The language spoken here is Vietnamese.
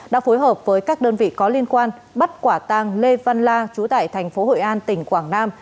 đã phối hợp với các đơn vị có liên quan bắt quả tàng lê văn la trú tại thành phố hội an tỉnh quảng nam